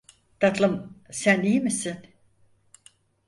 Tatlım, sen iyi misin?